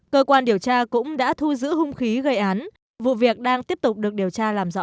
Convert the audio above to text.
cơ quan điều tra cũng đã thu giữ hung khí gây án vụ việc đang tiếp tục được điều tra làm rõ